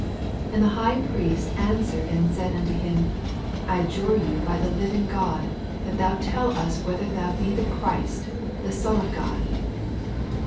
And the High Priest answered and said unto him, I adjure thee by the llviug God, that thou toll us whether thou be the Christ, the Son of God.